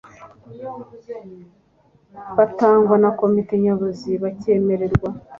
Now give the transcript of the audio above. batangwa na Komite Nyobozi bakemerwa